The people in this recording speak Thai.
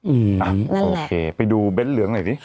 อืมอ่านั่นแหละโอเคไปดูเบ้นเหลืองหน่อยดิ